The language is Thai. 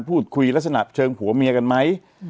พูดคุยลักษณะเชิงผัวเมียกันไหม